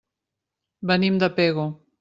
Venim de Pego.